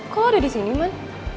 kok lo udah disini man